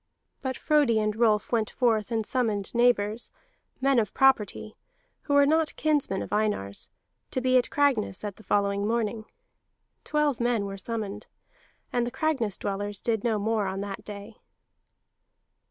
But Frodi and Rolf went forth and summoned neighbors, men of property, who were not kinsmen of Einar's, to be at Cragness at the following morning. Twelve men were summoned. And the Cragness dwellers did no more on that day.